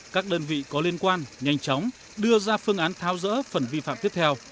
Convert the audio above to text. các đơn vị có liên quan nhanh chóng đưa ra phương án tháo rỡ phần vi phạm tiếp theo